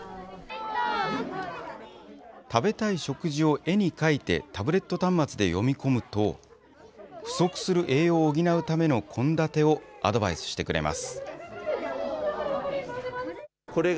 食べたい食事を絵に描いてタブレット端末で読み込むと、不足する栄養を補うための献立をアドバイスしてくれます。